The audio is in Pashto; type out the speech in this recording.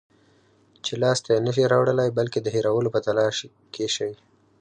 چې لاس ته یې نشی راوړلای، بلکې د هېرولو په تلاش کې شئ